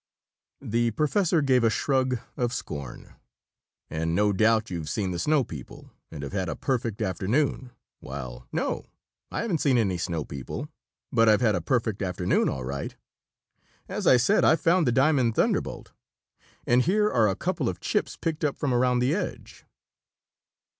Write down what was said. The professor gave a shrug of scorn. "And no doubt you've seen the snow people and have had a perfect afternoon, while " "No, I haven't seen any snow people, but I've had a perfect afternoon, all right! As I said, I've found the Diamond Thunderbolt; and here are a couple of chips, picked up from around the edge."